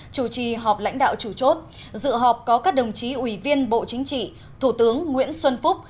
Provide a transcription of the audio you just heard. chủ trì họp lãnh đạo chủ chốt dự họp có các đồng chí ủy viên bộ chính trị thủ tướng nguyễn xuân phúc